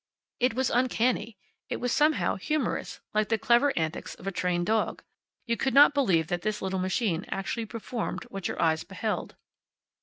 It was uncanny. It was, somehow, humorous, like the clever antics of a trained dog. You could not believe that this little machine actually performed what your eyes beheld.